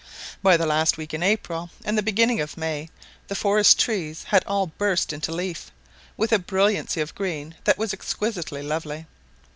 By the last week in April and the beginning of May, the forest trees had all burst into leaf, with a brilliancy of green that was exquisitely lovely.